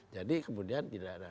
jadi kemudian tidak ada